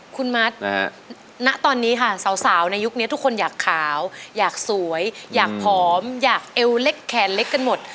คุณมัดณตอนนี้ค่ะสาวในยุคนี้ทุกคนอยากขาวอยากสวยอยากผอมอยากเอวเล็กแขนเล็กกันหมด